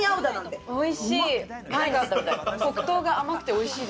おいしい！